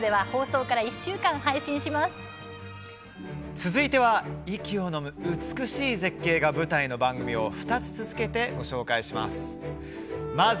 続いては、息をのむ美しい絶景が舞台の番組を２つ続けて紹介します。